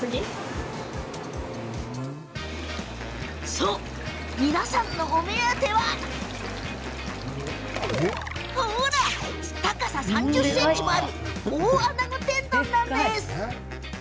そう、皆さんのお目当ては高さ３０ｃｍもある大あなご天丼なんです。